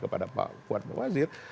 kepada pak kuat mewazir